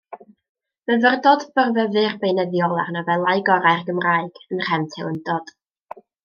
Myfyrdod byrfyfyr beunyddiol ar nofelau gorau'r Gymraeg, yn nhrefn teilyngdod.